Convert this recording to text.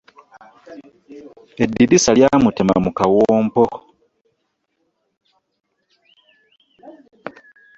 Eddirisa lya mutema mu kawompo.